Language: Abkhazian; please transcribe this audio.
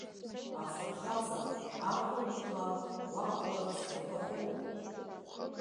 Афырхаҵа, ар рыӷба уақәтәарц уҭахуп.